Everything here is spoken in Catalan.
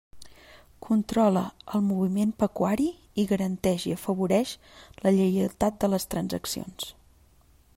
Controla el moviment pecuari i garanteix i afavoreix la lleialtat de les transaccions.